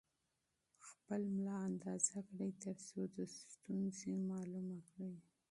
خپل ملا اندازه کړئ ترڅو د ستونزې معلومه کړئ.